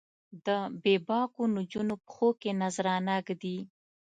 د بې باکو نجونو پښو کې نذرانه ږدي